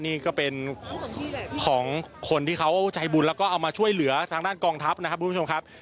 นี่ก็เป็นของคนที่เขาใจบุญแล้วก็เอามาช่วยเหลือทางด้านกองทัพนะครับคุณผู้ชมครับ